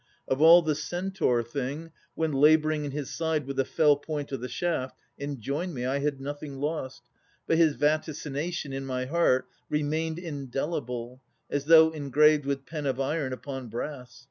Of all the Centaur Thing, When labouring in his side with the fell point O' the shaft, enjoined me, I had nothing lost, But his vaticination in my heart Remained indelible, as though engraved With pen of iron upon brass.